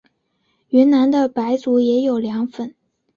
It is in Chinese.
云南的白族也有凉粉。